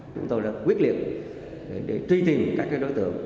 chúng tôi đã quyết liệt để truy tìm các đối tượng